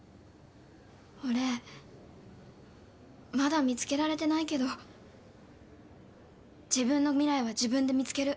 俺まだ見つけられてないけど自分の未来は自分で見つける。